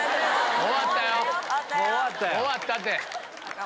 終わったって。